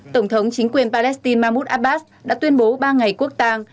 tổng thống chính quyền palestine mahmoud abbas đã tuyên bố ba ngày quốc tàng